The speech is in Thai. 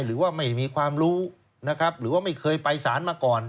หรือว่าไม่มีความรู้นะครับหรือว่าไม่เคยไปสารมาก่อน